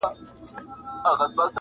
منظور پښتین د پښتنو د دې زرکلن -